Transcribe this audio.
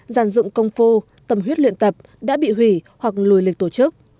giàn dụng công phu tầm huyết luyện tập đã bị hủy hoặc lùi lịch tổ chức